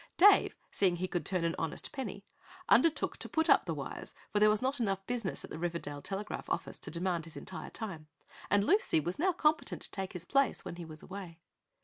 Dave, seeing he could turn an honest penny, undertook to put up the wires, for there was not enough business at the Riverdale telegraph office to demand his entire time and Lucy was now competent to take his place when he was away.